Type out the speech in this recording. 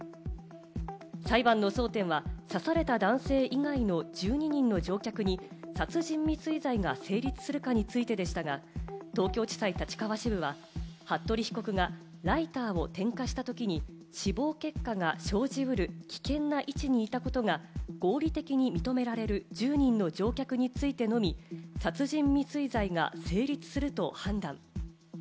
裁判の争点は刺された男性以外の１２人の乗客に殺人未遂罪が成立するかについてでしたが、東京地裁立川支部は服部被告がライターを点火したときに、死亡結果が生じうる危険な位置にいたことが合理的に認められる１０人の乗客についてのみ殺人未遂罪が成立すると判断。